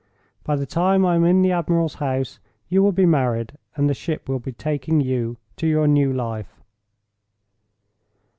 By the time I am in the admiral's house you will be married, and the ship will be taking you to your new life."